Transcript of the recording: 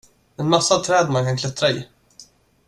En massa träd man kan klättra i!